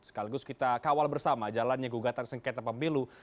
sekaligus kita kawal bersama jalannya gugatan sengketa pemilu